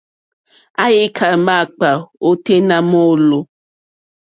Àyíkâ máǎkpà ôténá mɔ̌lɔ̀.